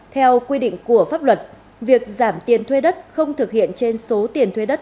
theo quy định của pháp luật việc giảm tiền thuê đất không thực hiện trên số tiền thuê đất